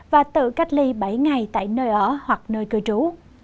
và tự cách ly bảy ngày tại nơi ở hoặc nơi cư trú